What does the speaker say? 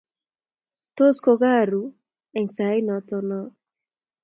Tos kokikakoru eng sait noto no